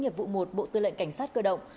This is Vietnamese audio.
nhiệm vụ một bộ tư lệnh cảnh sát cơ động